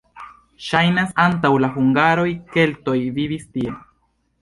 Ŝajnas, antaŭ la hungaroj keltoj vivis tie.